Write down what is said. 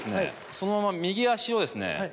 そのまま右足をですね